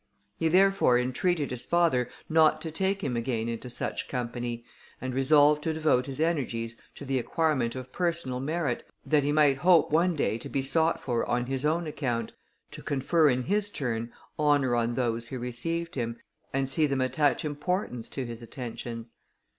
He therefore entreated his father not to take him again into such company, and resolved to devote his energies to the acquirement of personal merit, that he might hope one day to be sought for on his own account, to confer, in his turn, honour on those who received him, and see them attach importance to his attentions.